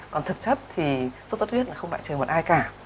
còn thực chất thì sốt xuất huyết là không loại trừ một ai cả